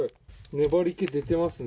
粘り気出てますね。